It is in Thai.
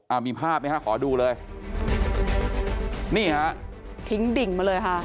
มีภาพไหมฮะขอดูเลยนี่ฮะทิ้งดิ่งมาเลยค่ะ